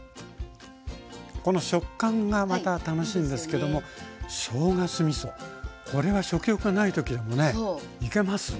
この食感がまた楽しいんですけどもしょうが酢みそこれは食欲がない時でもねいけますね。